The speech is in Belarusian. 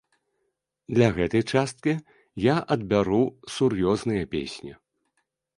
Для гэтай часткі я адбяру сур'ёзныя песні.